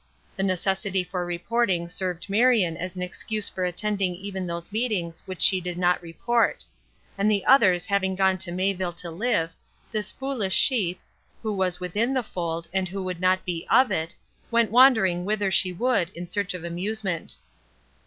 The necessity for reporting served Marion as an excuse for attending even those meetings which she did not report; and the others having gone to Mayville to live, this foolish sheep, who was within the fold, and who would not be of it, went wandering whither she would in search of amusement.